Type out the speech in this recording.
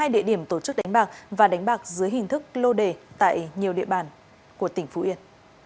hai địa điểm tổ chức đánh bạc và đánh bạc dưới hình thức lô đề tại nhiều địa bàn của tỉnh phú yên